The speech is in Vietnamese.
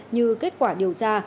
như kết quả điều tra